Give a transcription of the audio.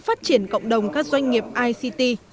phát triển cộng đồng các doanh nghiệp ict